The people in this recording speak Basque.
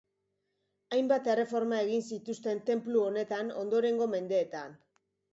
Hainbat erreforma egin zituzten tenplu honetan ondorengo mendeetan.